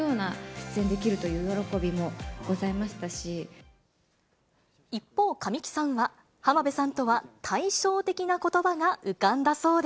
出演できるという喜びもございま一方、神木さんは、浜辺さんとは対照的なことばが浮かんだそうで。